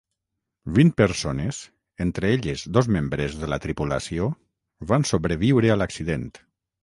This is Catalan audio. Vint persones, entre elles dos membres de la tripulació, van sobreviure a l'accident.